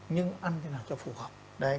nhưng ăn thế nào cho phù hợp